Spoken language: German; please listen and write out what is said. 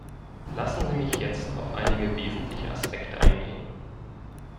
Lassen Sie mich jetzt auf einige wesentliche Aspekte eingehen.